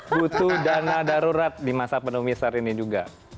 butuh dana darurat di masa penumisar ini juga